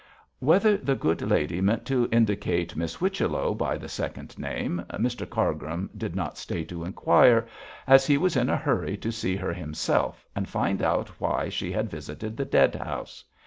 Whether the good lady meant to indicate Miss Whichello by the second name, Mr Cargrim did not stay to inquire, as he was in a hurry to see her himself and find out why she had visited the dead house.